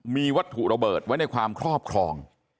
มีวัตถุระเบิดไว้ในความครอบครอง